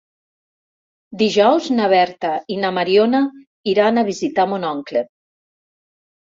Dijous na Berta i na Mariona iran a visitar mon oncle.